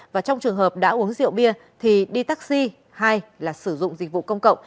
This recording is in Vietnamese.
và trong trường hợp đã uống rượu bia thì đi taxi hay là sử dụng dịch vụ công cộng